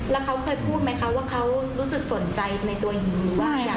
แล้วเขาเคยพูดไหมคะว่าเขารู้สึกสนใจในตัวหิวว่า